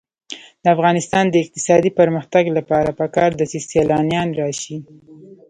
د افغانستان د اقتصادي پرمختګ لپاره پکار ده چې سیلانیان راشي.